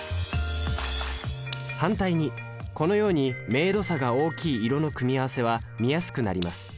反対にこのように明度差が大きい色の組み合わせは見やすくなります。